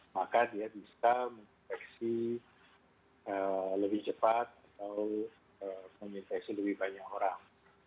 maka dia bisa menginfeksi lebih cepat atau menginfeksi lebih banyak orang